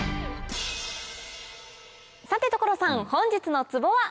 さて所さん本日のツボは？